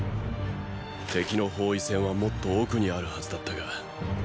敵の包囲線はもっと奥にあるはずだったが。